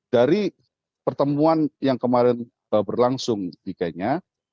dari pertemuan yang kemarin berlangsung di kenya